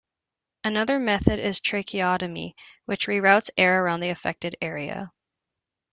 Another method is tracheotomy, which reroutes air around the affected area.